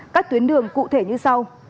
các tuyến đường cụ thể như sau